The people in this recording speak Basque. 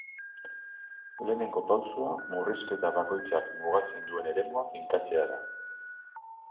Lehenengo pausoa murrizketa bakoitzak mugatzen duen eremua finkatzea da.